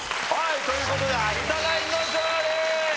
という事で有田ナインの勝利！